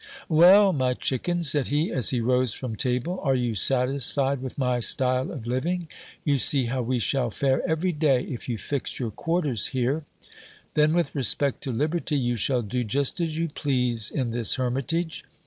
Well ! my chicken, said he, as he rose from table, are you satisfied with my style of living ? You see how we shall fare every day, if you fix your quarters here. Then with respect to liberty, you shall do just as you please in this hermitage.